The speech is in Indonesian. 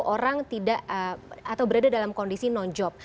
tujuh ratus lima puluh orang tidak atau berada dalam kondisi non job